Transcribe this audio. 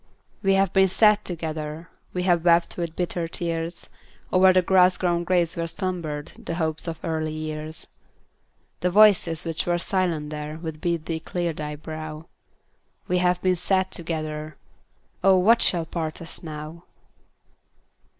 We have been sad together; We have wept with bitter tears O'er the grass grown graves where slumbered The hopes of early years. The voices which are silent there Would bid thee clear thy brow; We have been sad together. Oh, what shall part us now?